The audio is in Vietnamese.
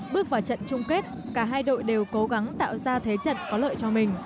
bước vào trận chung kết cả hai đội đều cố gắng tạo ra thế trận có lợi cho mình